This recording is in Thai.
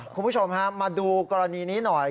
คุณผู้ชมฮะมาดูกรณีนี้หน่อย